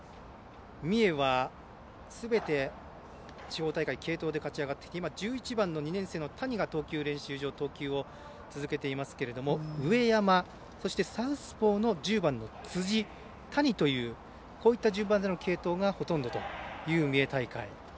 三重はすべて地方大会を継投で勝ちあがってきて今、１１番の２年生の谷が投球練習場で投球を続けていますけれども上山、サウスポーの１０番の辻谷という、こういった順番での継投がほとんどの三重大会。